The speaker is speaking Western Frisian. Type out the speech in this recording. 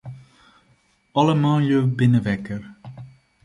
Alle manlju binne wekker.